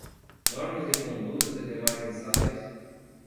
Normas de conduta e demais ensaios